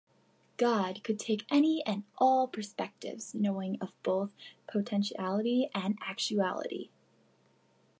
God could take any and all perspectives, knowing of both potentiality and actuality.